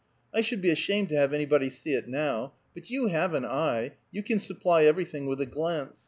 I should be ashamed to have anybody see it now; but you have an eye, you can supply every thing with a glance.